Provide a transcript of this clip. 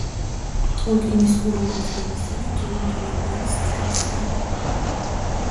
ტოლკინის კულერვოს ბედისწერა ტურინ ტურამბარის მსგავსია.